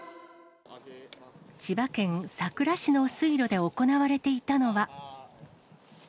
千葉県佐倉市の水路で行われていたのは。